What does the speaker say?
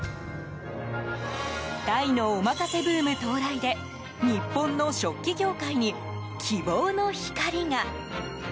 タイのおまかせブーム到来で日本の食器業界に、希望の光が。